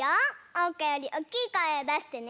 おうかよりおっきいこえをだしてね。